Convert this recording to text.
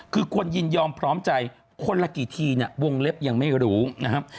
คือคนยินยอมพร้อมใจคนละกี่ทีเนี่ยวงเล็บยังไม่รู้นะครับ